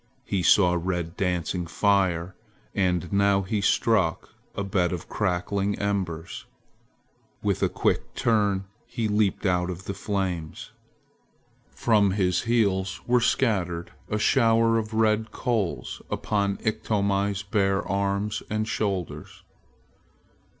He saw red dancing fire, and now he struck a bed of cracking embers. With a quick turn he leaped out of the flames. From his heels were scattered a shower of red coals upon Iktomi's bare arms and shoulders.